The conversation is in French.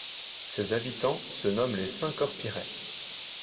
Ses habitants se nomment les Saint-Corpierais.